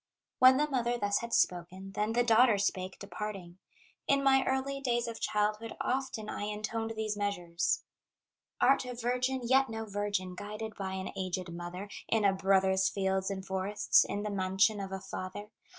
When the mother thus had spoken, Then the daughter spake, departing: "In my early days of childhood Often I intoned these measures: 'Art a virgin, yet no virgin, Guided by an aged mother, In a brother's fields and forests, In the mansion of a father!